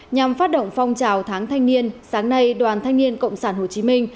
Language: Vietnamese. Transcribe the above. nhằm phát động phong trào tháng thanh niên sáng nay đoàn thanh niên cộng sản hồ chí minh